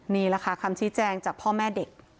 นี่แหละค่ะคำชี้แจงจากพ่อแม่เด็ก